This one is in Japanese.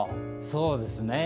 そうですね。